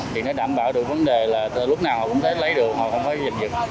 thì nó đảm bảo được vấn đề là lúc nào họ cũng lấy được họ không phải dịch dịch